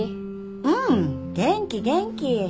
うん元気元気